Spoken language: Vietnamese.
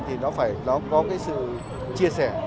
thì nó phải có sự chia sẻ